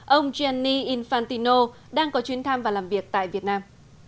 ông jenni infantino đang có chuyến thăm và làm việc tại việt nam